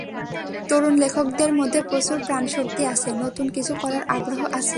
তরুণ লেখকদের মধ্যে প্রচুর প্রাণশক্তি আছে, নতুন কিছু করার আগ্রহ আছে।